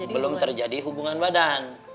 belum terjadi hubungan badan